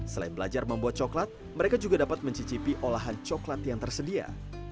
selain belajar membuat coklat mereka juga dapat mencicipi olahan coklat yang tersedia